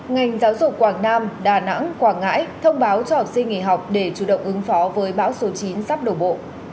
ngành giáo dục quảng nam đà nẵng quảng ngãi thông báo cho học sinh nghỉ học để chủ động ứng phó với bão số chín sắp đổ bộ